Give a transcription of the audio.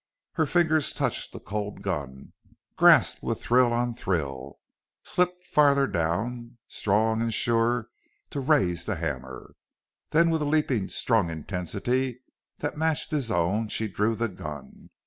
Her fingers touched the cold gun grasped with thrill on thrill slipped farther down, strong and sure to raise the hammer. Then with a leaping, strung intensity that matched his own she drew the gun.